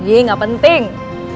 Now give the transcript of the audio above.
ye gak penting